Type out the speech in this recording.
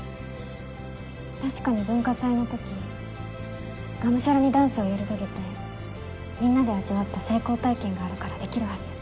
確かに文化祭の時がむしゃらにダンスをやり遂げてみんなで味わった成功体験があるからできるはず。